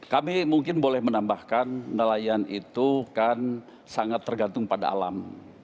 kami mungkin boleh menambahkan nelayan itu kan sangat tergantung pada alam